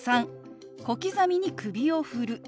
３小刻みに首を振る。